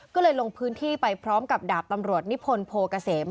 ก็เลยลงพื้นที่ไปพร้อมกับดาบตำรวจนิพนธ์โพเกษม